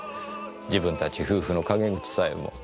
自分たち夫婦の陰口さえも。